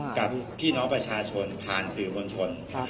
กับพี่น้องประชาชนผ่านสื่อมวลชน